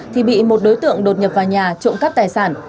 thì bị một đối tượng đột nhập vào nhà trộm cắp tài sản